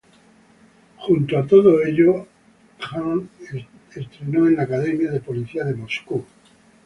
Junto a todo ello, Han entrenó en la academia de policía de Moscú.